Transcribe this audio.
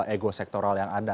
ego sektoral yang ada